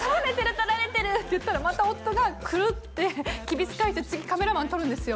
撮られてる！」って言ったらまた夫がクルってきびす返して次カメラマン撮るんですよ